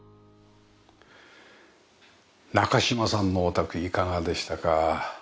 中島さんのお宅いかがでしたか？